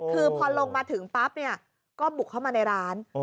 คือพอลงมาถึงปั๊บเนี่ยก็บุกเข้ามาในร้าน